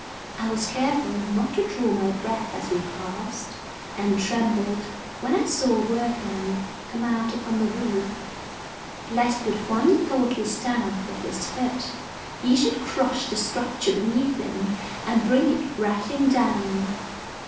I was careful not to draw my breath as we passed, and trembled when I saw a workman come out upon the roof, lest with one thoughtless stamp of his foot he should crush the structure beneath him, and bring it rattling down.